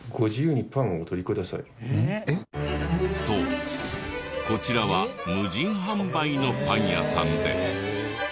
そうこちらは無人販売のパン屋さんで。